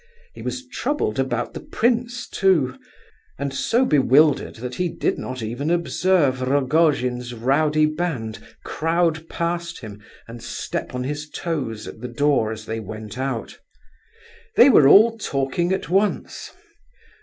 He was troubled about the prince, too, and so bewildered that he did not even observe Rogojin's rowdy band crowd past him and step on his toes, at the door as they went out. They were all talking at once.